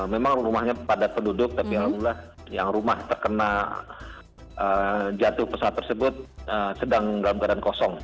memang rumahnya padat penduduk tapi alhamdulillah yang rumah terkena jatuh pesawat tersebut sedang dalam keadaan kosong